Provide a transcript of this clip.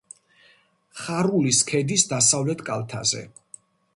ხარულის ქედის დასავლეთ კალთაზე.